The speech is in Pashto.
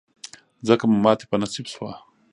ځکه مو ماتې په نصیب شوه.